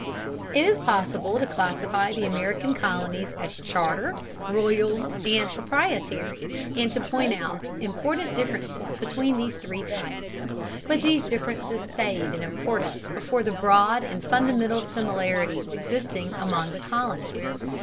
It is possible to classify the American colonies as charter, royal, and proprietary, and to point out important differences between these three types. But these differences fade in importance before the broad and fundamental similarities existing among the colonies.